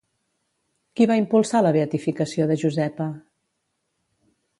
Qui va impulsar la beatificació de Josepa?